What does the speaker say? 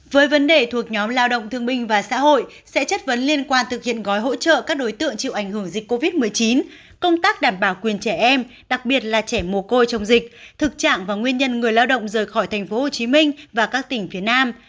với vấn đề thuộc nhóm lao động thương minh và xã hội sẽ chất vấn liên quan thực hiện gói hỗ trợ các đối tượng chịu ảnh hưởng dịch covid một mươi chín công tác đảm bảo quyền trẻ em đặc biệt là trẻ mồ côi trong dịch thực trạng và nguyên nhân người lao động rời khỏi tp hcm và các tỉnh phía nam